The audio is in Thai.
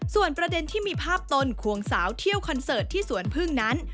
ส่วนประเด็นที่มีภาพตนควงสาวเที่ยวคอนเสิร์ตที่สวนพึ่งนั้น